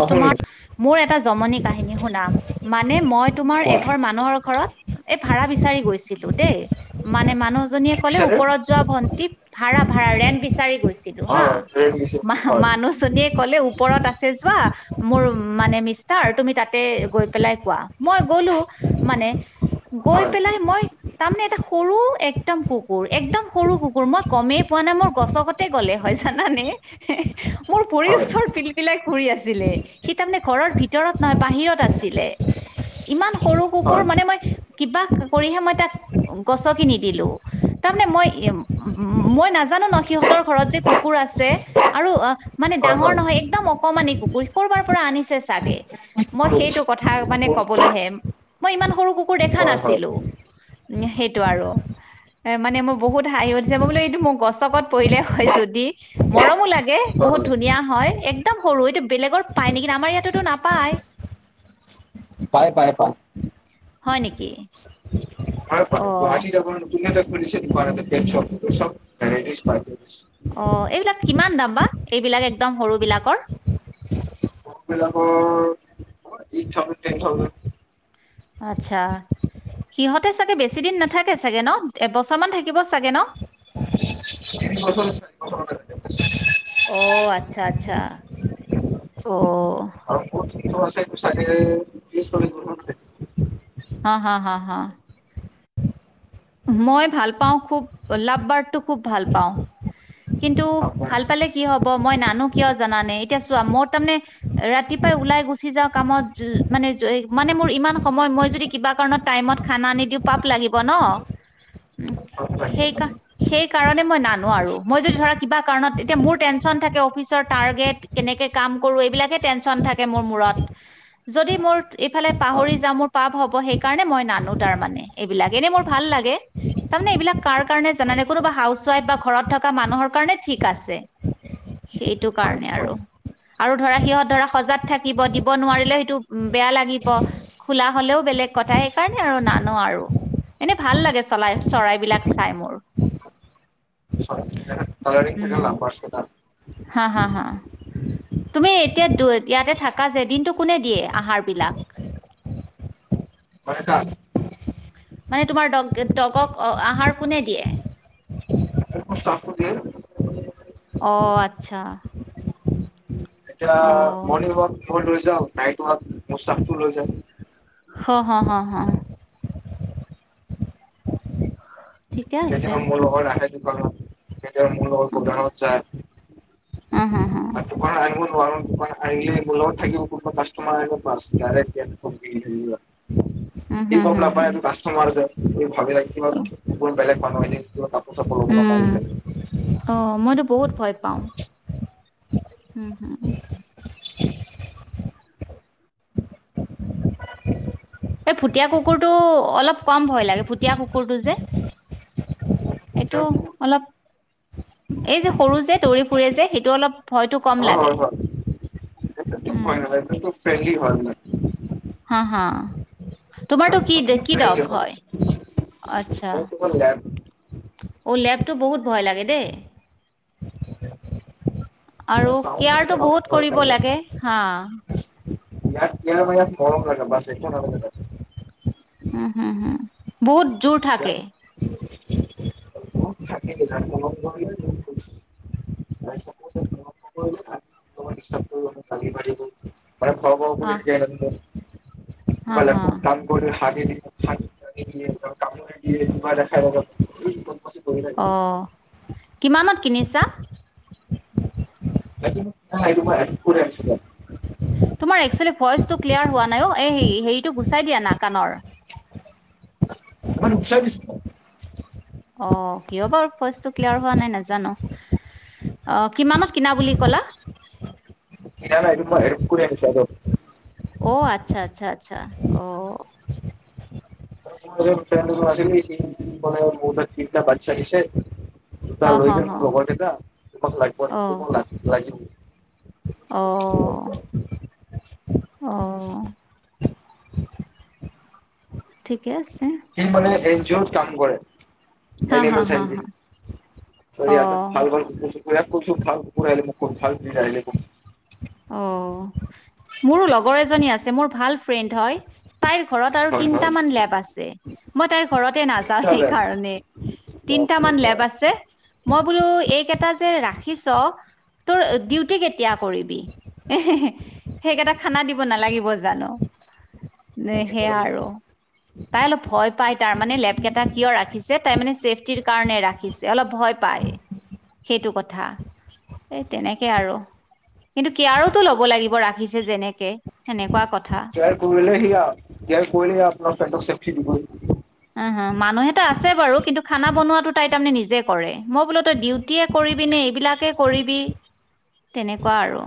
অ তোমাৰ শুনিছো মোৰ এটা জমনি কাহিনী শুনা মানে মই তোমাৰ কোৱা এঘৰ মানুহৰ ঘৰত এই ভাড়া বিচাৰি গৈছিলো দেই মানে মানুহজনীয়ে কলে পিছাৰে ওপৰত যোৱা ভণ্টি ভাড়া, ভাড়া ৰেন্ত বিচাৰি গৈছিলো অ হা, ৰেট দিছে মা হয় মানুহজনীয়ে কলে ওপৰত আ জোবো মোৰ মানে মিষ্টাৰ তুমি তাতে গৈ পেলাই কোৱা, মই গ'লো মানে গৈ হয় পেলাই মই তাৰমানে এটা সৰু একদম কুকুৰ একদম সৰু কুকুৰ, মই গমেই পোৱা নাই মোৰ গছকতে গলে হয়। জানানে! মোৰ হয় হয় পৰিসৰ পিলাইছ ঘৰি আছিলে সি তাৰমানে ঘৰৰ ভিতৰত নহয় বাহিৰত আছিলে ইমান সৰু কুকুৰ হয় মানে মই কিবা কৰিহে মই তাক গছকি নি দিলো তাৰমানানে মই উ মই নাজানো ন সিহঁতৰ ঘৰত যে কুকুৰ আছে আৰু মানে হয় ডাঙৰ নহয় একদম কমানমানি কুকুৰ, কৰবাৰ পৰা আনিছে চাগে মই হয় সেইটো কথা মানে কবলৈহে মই ইমান সৰু কুুৰ কুকুৰ দেখা হয় হয় হয় নাছিলো। উ! সেইটো আৰু এ মানে মোৰ বহুত হাঁহি উঠিছে মই বোলো এইটো মোৰ গছকত পৰিলেই হয় যদি, মৰমো লাগে। এ বহুত ধুনীয়া হয়। একদম সৰু এইটো বেলেগৰ পায় নেকি আমাৰ ইয়াতটো নাপায় পায় পায় পায়। হয় নেকি? হয় প অ গুৱাহাটী যাব [unintelligible] অ ', এইবিলাক কিমান দাম বা? এইবিলাক একদম সৰু বিলাকৰ, এইবিলাকৰ এইট থাউজেনড, টেন থাউজেনড। আচ্ছা, সিহঁতে চাগে বেছি দিন নাথাকে চাগে ন? এবছৰ মান থাকিব চাগে ন? [unintelligible] অহ, [unintelligible] অহ আছেতো চাগে তিৰিছ চল্লিশ বছৰ মান থাকিব। হা হা হা হা মই ভাল পাওঁ খুব লাভ বাৰড টো খুব ভাল পাওঁ কিন্তু আপোনাৰ ভাল পালে কি হ'ব মই নানো কিয় জানানে এতিয়া চোৱা মই তাৰমানে ৰাতিপুৱাই ওলাই গুচি যাওঁ কামত, মানে- মানে মোৰ ইমান সময় মই যদি কিবা কাৰণত টাইমত খানা নিদিওঁ পাপ লাগিব ন', হয় সেই -সেই কাৰণে মই নানো, আৰু মই যদি ধৰা কিবা কাৰণত এতিয়া মোৰ টেনচন থাকে অফিচৰ টাৰ্গেট কেনেকে কাম কৰো এইবিলাকে টেনচন থাকে মোৰ মূৰত, যদি মোৰ এইফালে পাহৰি হয় যাও মোৰ পাপ হব সেই কাৰণে মই নানো তাৰ মানে, এইবিলাক এনেই মোৰ, ভাল লাগে তাৰমানে এইবিলাক কাৰ কাৰণে জান নে কোনোবা হাউচ- ৱাইফ বা ঘৰত থকা মানুহৰ কাৰণে ঠিক আছে সেইটো হয় কাৰণে আৰু। আৰু ধৰা সিহঁত ধৰা সজাগ থাকিব দিব নোৱাৰিলেও সেইটো বেয়া লাগিব খোলা হলেও বেলেগ কথা সেইকাৰণে আৰু নানো আৰু। এনেই ভাল লাগে চলাই, চৰাইবিলাক চাই মোৰ। কালাৰিং উম থাকে লাব বাৰ্ডছ কেইটা। হা! হা! হা! তুমি এতিয়া দু ইয়াতে থাকা যে দিনটো কোনে দিয়ে আহাৰ বিলাক? [unintelligible] মানে তোমাৰ দগক আহাৰ কোনে দিয়ে? মোৰ স্তাফটো দিয়ে। অ' আচ্ছা। এতিয়া, অ মৰ্ণিংৱাক, মই লৈ যাওঁ নাইট ৱাক, মোৰ ষ্টাফটো লৈ যায়। হ - হ - হ - হ, ঠিকে আছে কেতিয়াবা মোৰ লগত আহে, [unintelligible] [unintelligible] উম, হু, হু দোকানত আনিব অহ আৰু দোকান আহিলে মোৰ লগত থাকিব, কোনোবা কাষ্টমৰ আহিব বাছ দাইৰেক্ত, উম ই, হুম গম হুম নাপায় হুম এইটো কাষ্টমাৰ যে, উম, [unintelligible] [unintelligible] উম, অ 'মইতো বহুত ভয় পাওঁ। উম! হম, ' এই ভুটীয়া কুকুৰটো অলপ কম ভয় লাগে, ভুতিয়া কুকুৰটো যে, এইটো অলপ, এই যে সৰু যে দৌৰি ফুৰে যে সেইটো অলপ ভয়তো কম হয় লাগে। হয় হয় সেইটো উম ভয় নহয় [unintelligible] [unintelligible] হা হা। তোমাৰতো কি কি ডগ হয় আচ্ছা [unintelligible] অ' লেবটো বহুত ভয় লাগে দেই। আৰু চাওঁ কেয়াৰটো বহুত কৰিব লাগে হা। ইয়াক কেআৰ আৰু মৰম লাগে বাচ একো নালাগে আৰ। উম! হম' হম! বহুত জোৰ ইয়াক থাকে। [inaudible] [unintelligible] মানে খোৱা বোৱা কৰিও থাকে। হা [unintelligible] [unintelligible] [unintelligible] হা হা কামোৰে দিয়ে চোমা দেখাই কৰি থাকে অ। কিমানত কিনিছা। এইটো নাই এইটো মই এডপ্ট কৰি আনিছো তোমাৰ একচুৱেলি ভইচটো ক্লিয়াৰ হোৱা নাই অ এই হেৰিটো গুচাই দিয়া না কাণৰ। [unintelligible] অ কিয় বাৰু ভইচটো ক্লিয়াৰ হোৱা নাই নাজানো অ কিমানত কিনা বুলি কলা কিনা নাই এটো ময় এডপ্ট কৰি আনিচো এডপ্ট। ও আচ্ছা আচ্ছা আচ্ছা ও। মোৰ এজন [unintelligible] মোৰ পৰা তিনিটা বাচ্ছা দিছে। হ দুটা হ লৈ গেল হ মোৰ লগৰ গিতা তোমাক লাগোৱা নকি অও। অ। ঠিকে আছে। সি মানে এন জি অ'ত কাম কৰে। হা এনিম হা হা হা অ' [unintelligible] [unintelligible] অ মোৰো লগৰ এজনী আছে মোৰ ভাল ফ্ৰেণ্ড হয়। তাইৰ ঘৰত আৰু হয় হয় তিনটামান লেব আছে মই তাইৰ ঘৰতে নাযাও তেতিয়াহ'লে সেইকাৰণে বাপৰে তিনটামান বাপ লেব আছে মই বুলোঁ এইকটা এটা যে ৰাখিছ তোৰ ডিউটি কেতিয়া কৰিবি? সেইকেইটা খানা দিব নালাগিব জানো? নে সেয়া আৰু তাই অলপ ভয় পাই তাৰ মানে লেপকেইটা কিয় ৰাখিছে তাই মানে চছেফটিৰ কাৰণে ৰাখিছে অলপ ভয় পাই সেইটো কথা এই তেনেকে আৰু। কিন্তু কেয়াৰতো ল'ব লাগিব ৰাখিছে যেনেক জাৰলে জয় কোৱাৰ চেফটি দিব [unintelligible] উ হা মানুহ এটা আছে বাৰু কিন্তু খানা বনোৱাাতো তাই তাৰমানে নিজে কৰে মই বোলো তই ডিউটে কৰিবিনে এইবিলাকে কৰিবি তেনেকুৱা আৰু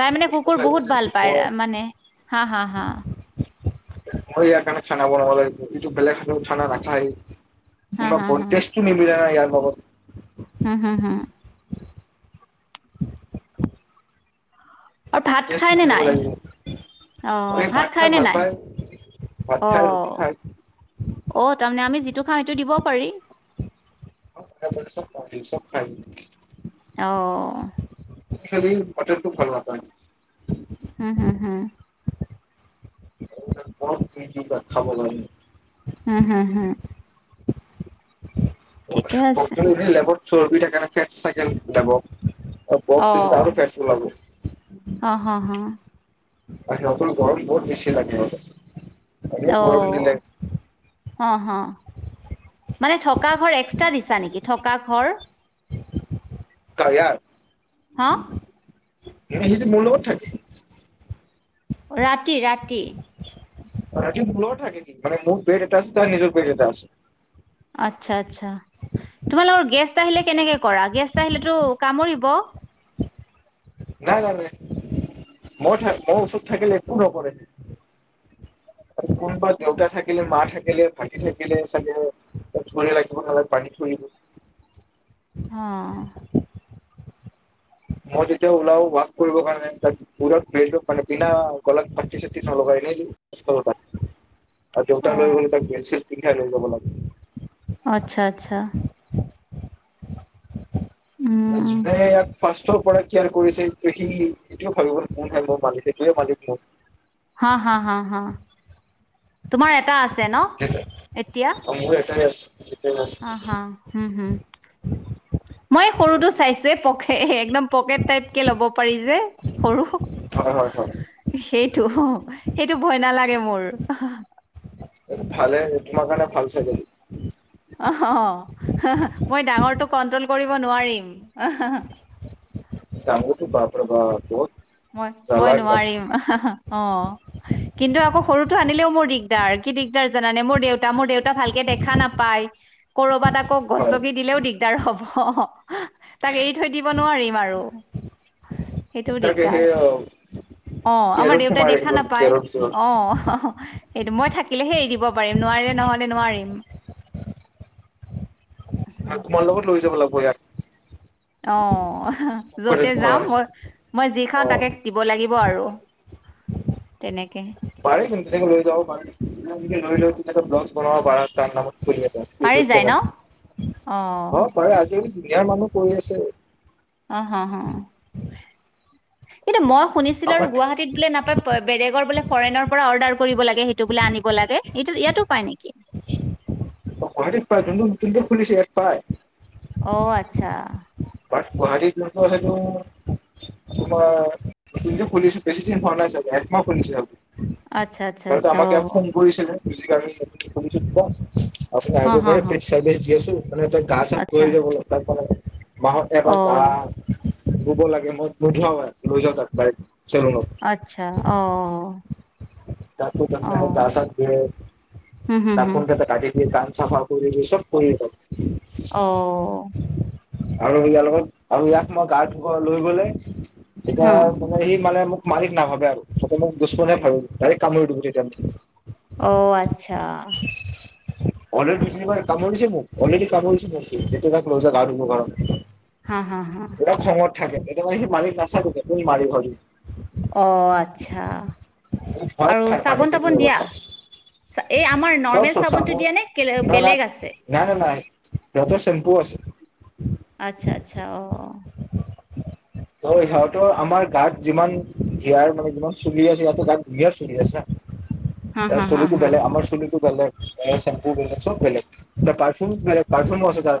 তাই মানে কুকুৰ বহুত ভাল যেনেকে পায় মই মানে হা হা হা মই ইয়াৰ কাৰণে [unintelligible] খানা বনাব লাগে যটো বেলেগ খাত খানা নাখায়েই [unintelligible] হা কোনেও হা কটেষ্ট নি মিলা বাইন [unintelligible] অ [unintelligible] হম হম হম ভাত টেষ্ট খাই নে মিলাব নাই লাগিব অ এই ভাত খাই নে ভাল নাই পায় ভাত অ খাই ৰুটি খাই অ তাৰমানে আমি টো খাম সটো দিব পাৰি [unintelligible] চব প সব খায় [unintelligible] [inaudible] মঠত খুব ভাল বথা ন [unintelligible] উম হম হম খাব নোৱাৰি [unintelligible] উম হম হম আছে। [inaudible] চ ফে চাইকেল দ [unintelligible] ব আৰু অ', কেচ লাগ [unintelligible] হ, হ, হ, নতুন গৰম বহুত বেছি লাগেইঁহতক অও অ হ মানে থকা ঘৰ এক্সট্ৰা দিছা নেকি থকা ঘৰ হা কয়াৰ সেইটো মোৰ লগত থাকে [unintelligible] ৰাতি ৰাতি মি মূল থাকে কি মান মোৰ পেট এটা আছে ত নিজৰ পেট এটা আছে [unintelligible] আচ্ছা আচ্ছা তোমালোকৰ গেছ আহিলে কেনেকে কৰা গেষ্ট আহিলেতো কামুৰিব [unintelligible] নাই নাই নাই মই মই ঔষধ থাকিলে একো ন কৰে [unintelligible] কোনোবা দেউতা অ', থাকিলে মা থাকি থে ভাগি থাকিলে চাগে ধ লাগিব পানী থৈ দিব [unintelligible] অ', মই যেতিয়া ওলাও ৱাক কৰিবৰ কাৰণে ত প মানে বিনা গলাত ফাটি চাটি নলগাই এনেই [unintelligible] আৰু দেউতা লৈ অ' গল তাক গেলছিল [unintelligible] কি ঠাইলৈ যাব লাগে আচ্ছা, আচ্ছা, উম, যুনে ইয়াত ফাৰ্ষ্টৰ পৰা কেয়াৰ কৰিছে সি এইটোৱে ভাবিব গ'ল [unintelligible] মোৰ মালিক সেইটোৱে মালিক মোৰ হা হা হা হা তোমাৰ এটা আছে ন এতিয়া মোৰ এটাই আছে এটাই আছে আ হা হোম হোম মই এই সৰুটো চাইছে প হে হে একদম পকেট টাইপ কে ল'ব পাৰি যে সৰু হয় হয় হয় সেইটো অহ সেইটো ভয় নেলাগে মোৰ অহ ভালে তোমাৰ কাৰণে ভাল চাইজৰ অ হ হ মই ডাঙৰটো কন্ট্ৰল কৰি ব নোৱাৰিম ডাঙৰটো পাম ৰবা ক'ত মই মই নোৱাৰিম আহা হা অ কিন্তু আকৌ সৰুটো আনিলেও মোৰ দিগদাৰ কি দিগদাৰ জানানে মোৰ দেউতা মোৰ দেউতা ভালকে দেখা নাপায় ক'ৰবাত আক হয় গছকি দিলেও দিগ দাৰ হ'ব অহ তাক এৰি থৈ দিব নোৱাৰিম আৰু সেইটোও দিগ সেয়া আৱ কেয়াৰত সোমাই দেউতাই দেখা একদম নাপায় কেয়াৰৰ ভিতৰত অ সেইটো মই থাকিলেহে এৰি দিব পাৰিম নোৱাৰিলে নহ'লে নোৱাৰিম আৰু তোমাৰ লগত লৈ যাব লাগ উপয়াত অ অহ যতে যাওঁ ভৰাই মই মই যি খাওঁ অ' তাকে দিব লাগিব আৰু তেনেকে পাৰে কিন্তু তেনেকে লৈ যাব পাৰে লৈ লৈ তেতিয়া তই ব্লকচ বনাব পাৰা তাৰ নামত পাৰি ইউটিউব যায় ন চেনেল অ পাৰে আজি বিয়াৰ মানুহ কৰি আছে অ', হ হ কিন্তু মই শুনিছিলো আৰু আমাৰ গুৱাহাটীত বোলে নাপায় বেলেগৰ বোলে ফৰেনৰ পৰা অৰ্ডাৰ কৰিব লাগে সেইটো বোলে আনিব লাগে ই ইয়াতো পায় নেকি গুৱাহাটীত পায় যোনটো নতুনকে খুলিছে ইয়াত পায় অ আচ্ছা বাট গুৱাহাটীত তোমালোকৰ সেইটো তোমাৰ যোনটো খুলিছে বেছি দিন হোৱা নাই চাগে একমাহ খুলিছে আচ্ছা আচ্ছা [unintelligible] আচ্ছা আমাক ই অ', ফোন কৰিছিলে [unintelligible] আপু হ আগিব হ প হ পি চৰ্ভিছ দিিয় আছো মানে এ তই আচ্ছা গা [unintelligible] মত এব ত অ', শুব লাগে মই নোধোৱা লৈ যাওঁ তাকাই আচ্ছা অ [inaudible] [unintelligible] অ', হুম ম হুম হুম কান চাফাপুৰি বিি চব কৰিিত অ আৰু ইয়াৰ লগত আৰু ইয়াক মই গা ধুব লৈ গলে তেতিয়া হুম মানে সেই মানে মোক মালিক নাভাবে আৰু [unintelligible] অ আছ- আচ্ছা অলৰে কামৰিছে মোক অলৰেডি কামৰিছে মোকাক গা কাৰ হা হা হা থাকে [unintelligible] অ আচ্ছা সি ভয় আৰু খাই পানী চাবোন তাবোন দিয়া এই আমাৰ [inaudible] নৰ্মেল পচ চাবোনটো দিয়ে নে কেলে- বেলেগ আছে আচ্ছা আচ্ছা অ ত সিহঁতৰ আমাৰ গাত যিমান ধিয়াৰ মানে যিমান চলি আছে ইহতেৰ গাত ধুনিয়াৰ চলি আছো অ হা ত হা হা চলটো হা গেলে আমাৰ েম্পু বব বেলেগ পাৰগ পাৰ